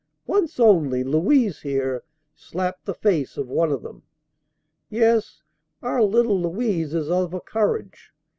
... Once only Louise here slapped the face of one of them. "Yes, our little Louise is of a courage!